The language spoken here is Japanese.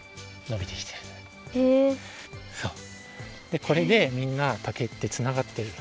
でこれでみんな竹ってつながってる。